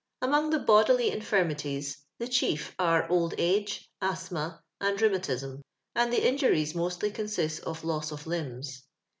Among the bodily infirmities the chief are old ago, asthma, and rheumatism ; and the in juries mostly consist of loss of limbs.